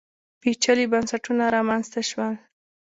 پېچلي بنسټونه رامنځته شول